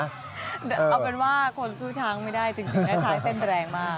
เอาเป็นว่าคนสู้ช้างไม่ได้จริงนะช้างเต้นแรงมาก